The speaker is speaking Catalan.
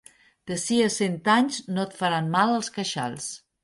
D'ací a cent anys no et faran mal els queixals.